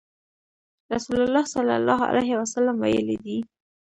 رسول الله صلی الله عليه وسلم ويلي دي :